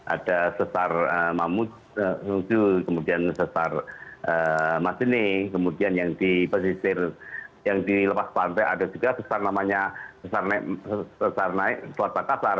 ada sesar mamut kemudian sesar masini kemudian yang di lepas pantai ada juga sesar naik selatan kasar